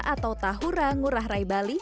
atau tahura ngurah rai bali